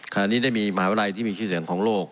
ขณะนี้ได้มีมหาวิทยาลัยที่มีชื่อเสียงของโลก